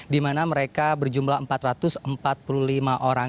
dimana mereka berjumlah empat ratus empat puluh lima orang